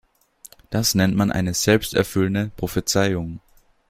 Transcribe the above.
Das nennt man eine selbsterfüllende Prophezeiung.